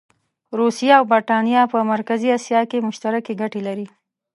روسیه او برټانیه په مرکزي اسیا کې مشترکې ګټې لري.